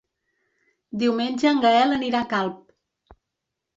Diumenge en Gaël anirà a Calp.